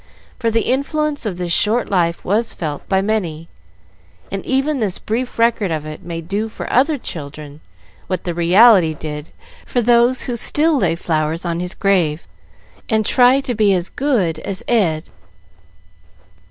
For the influence of this short life was felt by many, and even this brief record of it may do for other children what the reality did for those who still lay flowers on his grave, and try to be "as good as Eddy."